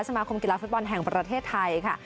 สมาคมกีฬาฟุตบอลแห่งประเทศไทยค่ะ